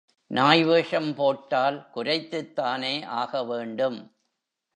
நாய் வேஷம் போட்டால் குரைத்துத்தானே ஆகவேண்டும்?